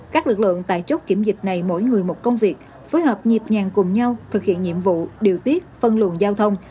các lực lượng tại chốt kiểm dịch này mỗi người một công việc phối hợp nhịp nhàng cùng nhau thực hiện nhiệm vụ điều tiết phân luận giao thông